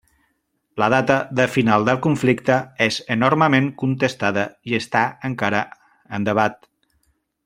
La data de final del conflicte és enormement contestada i està encara en debat.